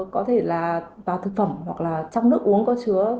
có thể là vào thực phẩm hoặc là trong nước uống có chứa